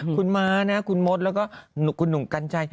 คุณม้านะคุณมดแล้วก็คุณหนุ่มกัญชัย